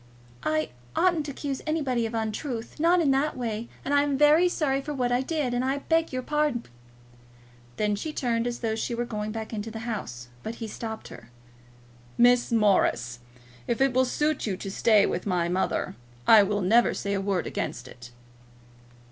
"I oughtn't to accuse anybody of an untruth, not in that way; and I am very sorry for what I did, and I beg your pardon." Then she turned as though she were going back to the house. But he stopped her. "Miss Morris, if it will suit you to stay with my mother, I will never say a word against it."